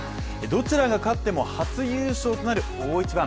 どちらが勝っても初優勝となる大一番。